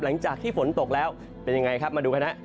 หลังจากที่ฝนตกแล้วเป็นยังไงครับมาดูคณะ